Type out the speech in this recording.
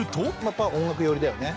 やっぱ音楽寄りだよね。